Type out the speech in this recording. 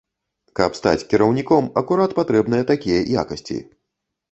Каб стаць кіраўніком акурат патрэбныя такія якасці.